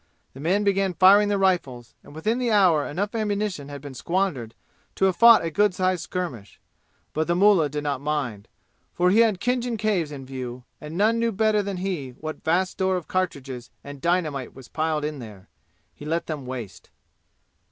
The men began firing their rifles, and within the hour enough ammunition had been squandered to have fought a good sized skirmish; but the mullah did not mind, for he had Khinjan Caves in view, and none knew better than he what vast store of cartridges and dynamite was piled in there. He let them waste.